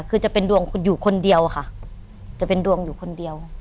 คือจะเป็นดวงอยู่คนเดียวค่ะจะเป็นดวงอยู่คนเดียว